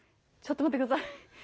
ちょっと待って下さい。